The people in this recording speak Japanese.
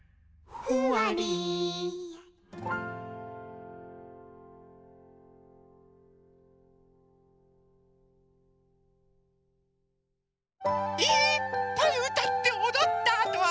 「ふわり」いっぱいうたっておどったあとは。